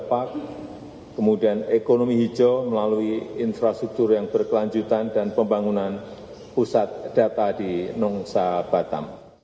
pertemuan ini jokowi juga menawarkan sejumlah investasi di indonesia